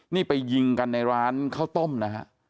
นี่ไปยิงกันในร้านข้าวต้มนะฮะ